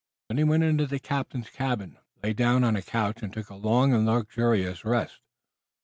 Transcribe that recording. Then he went into the captain's cabin, lay down on a couch, and took a long and luxurious rest.